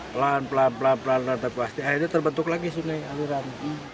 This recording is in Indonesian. pelan pelan pelan pelan tapi pasti akhirnya terbentuk lagi sungai aliran